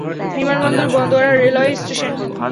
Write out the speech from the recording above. বিমানবন্দর, বন্দর আর রেলওয়ে স্টেশন।